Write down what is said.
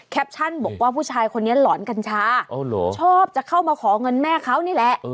บอกว่าผู้ชายคนนี้หลอนกัญชาชอบจะเข้ามาขอเงินแม่เขานี่แหละ